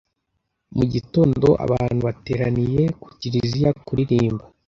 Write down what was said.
Mu gitondo abantu bateraniye ku Kiliziya kuririmba